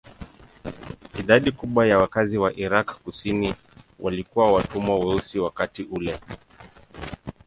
Idadi kubwa ya wakazi wa Irak kusini walikuwa watumwa weusi wakati ule.